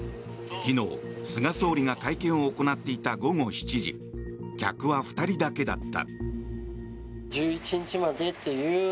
昨日、菅総理が会見を行っていた午後７時客は２人だけだった。